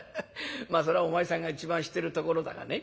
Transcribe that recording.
まあそらお前さんが一番知ってるところだがね。